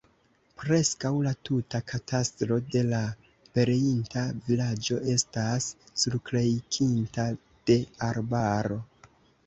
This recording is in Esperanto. Preskaŭ la tuta katastro de la pereinta vilaĝo estas surkrejkinta de arbaro.